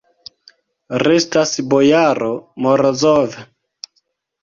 Restas bojaro Morozov.